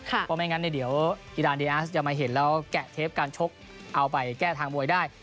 เพราะไม่งั้นเดี๋ยวอีรานดีอาร์สจะมาเห็นแล้วแกะเทปการชกเอาไปแก้ทางมวยได้